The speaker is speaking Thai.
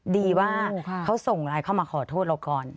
ดีว่าเขาส่งไลน์เข้ามาขอโทษเราก่อน